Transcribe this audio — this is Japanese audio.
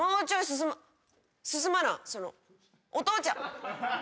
進まなそのお父ちゃん！